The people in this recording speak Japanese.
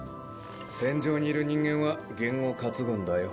戦場にいる人間は験を担ぐんだよ。